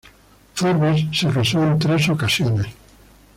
Forbes se casó en tres ocasiones.